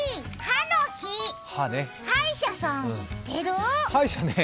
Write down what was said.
歯医者さん、行ってる？